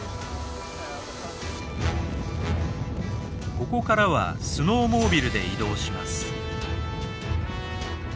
ここからはスノーモービルで移動します。